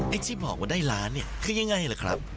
ที่บอกว่าได้ล้านเนี่ยคือยังไงล่ะครับ